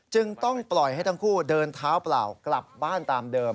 จึงต้องปล่อยให้ทั้งคู่เดินเท้าเปล่ากลับบ้านตามเดิม